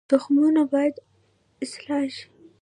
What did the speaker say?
تخمونه باید اصلاح شي